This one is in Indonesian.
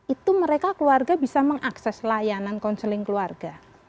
itu mereka keluarga bisa mengakses layanan konseling keluarga